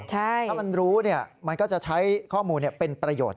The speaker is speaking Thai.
ถ้ามันรู้มันก็จะใช้ข้อมูลเป็นประโยชน์